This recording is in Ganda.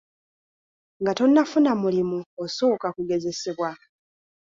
Nga tonafuna mulimu osooka kugezesebwa.